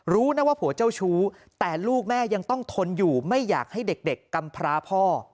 รู้นะว่าผัวเจ้าชู้แต่ลูกแม่ยังต้องทนอยู่ไม่อยากให้เด็กกำพราพ่อ